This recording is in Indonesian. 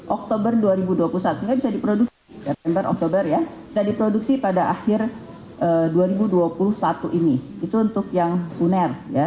oktober dua ribu dua puluh satu sehingga bisa diproduksi september oktober ya bisa diproduksi pada akhir dua ribu dua puluh satu ini itu untuk yang uner